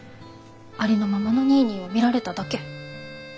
ありのままのニーニーを見られただけ。